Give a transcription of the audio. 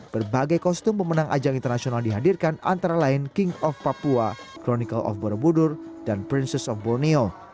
berbagai kostum pemenang ajang internasional dihadirkan antara lain king of papua cronical of borobudur dan princess of borneo